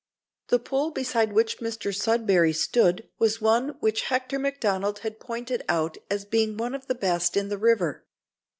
The pool beside which Mr Sudberry stood was one which Hector Macdonald had pointed out as being one of the best in the river.